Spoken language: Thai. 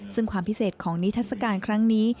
ซึ่งความพิเศษของนิทัศกาลครั้งนี้